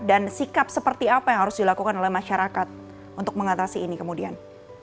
dan sikap seperti apa yang harus dilakukan oleh masyarakat untuk mengatasi ini kemudian